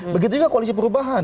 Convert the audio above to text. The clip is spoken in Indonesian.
begitu juga koalisi perubahan